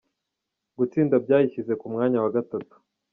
Gutsinda byayishyize ku mwanya wa wagatatu